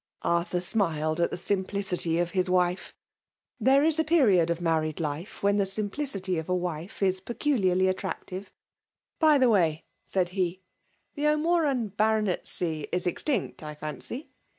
Arthur smiled at the simpUaty of W» m%. 91 FEMALE DOMINATSOV. There is a period of married life when the ftiTopIicity of a \vife is peculiarly attractive. « By the way,'* said he, the O'Moran Baronetcy is extinct, I fancy?